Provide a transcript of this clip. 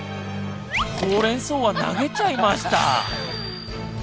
ほうれんそうは投げちゃいました。